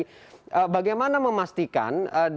jadi bagaimana memastikan